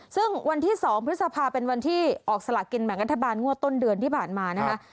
ซึ่งวันที่๒พฤษภาเป็นวันที่ออกสละกินแบ่งรัฐบาลงวดต้นเดือนที่ผ่านมานะคะ